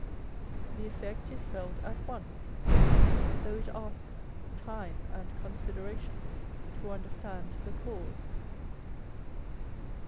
The effect is felt at once, though it asks time and consideration to understand the cause.